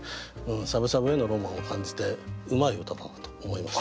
しゃぶしゃぶへのロマンを感じてうまい歌だなと思いました。